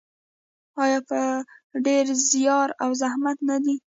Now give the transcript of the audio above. آیا په ډیر زیار او زحمت نه دی؟